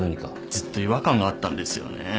ずっと違和感があったんですよね。